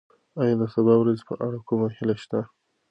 ایا د سبا ورځې په اړه کومه هیله شته؟